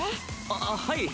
あっはい。